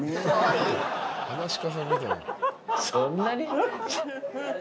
そんなに？